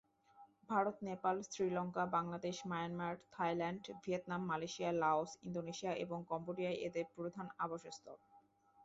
Bharat, Nepal, Sri Lanka, Bangladesh, Myanmar, Thailand, Vietnam, Malaysia, Laos, Indonesia এবং কম্বোডিয়ায় এদের প্রধান আবাসস্থল।